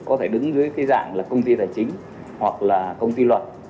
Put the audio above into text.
có thể đứng dưới cái dạng là công ty tài chính hoặc là công ty luật